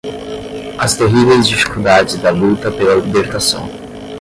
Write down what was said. as terríveis dificuldades da luta pela libertação